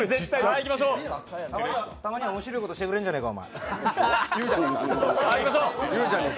たまには面白いことしてくれるじゃねえか。